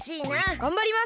がんばります！